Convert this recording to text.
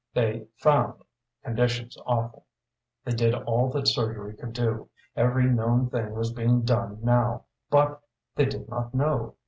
They found conditions awful. They did all that surgery could do every known thing was being done now, but they did not know.